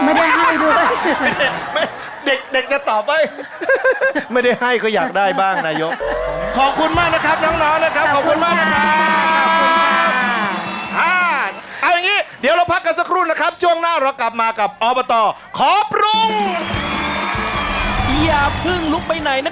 เอาคอทำได้อย่างไรสุดยอดมากลูก